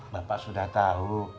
bapak sudah tahu